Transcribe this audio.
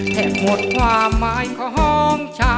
แทบหมดความหมายขอกำลังใจ